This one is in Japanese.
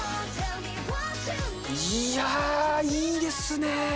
いやー、いいですね。